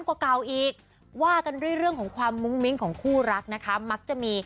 แต่ต้องทำหน้าแบบว่าเฮ้ย